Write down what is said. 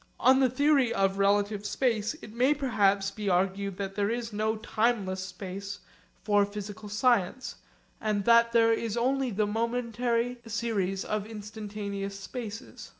On the theory of relative space, it may perhaps be argued that there is no timeless space for physical science, and that there is only the momentary series of instantaneous spaces.